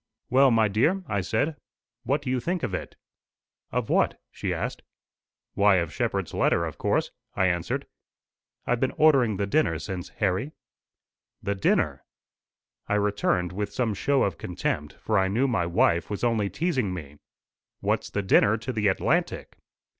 "Well, my dear," I said, "what do you think of it?" "Of what?" she asked. "Why, of Shepherd's letter, of course," I answered. "I've been ordering the dinner since, Harry." "The dinner!" I returned with some show of contempt, for I knew my wife was only teasing me. "What's the dinner to the Atlantic?"